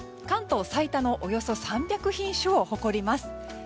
関東最多のおよそ３００品種を誇ります。